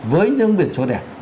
với những biển số đẹp